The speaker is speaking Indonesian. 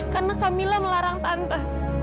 karena kamila melarang tante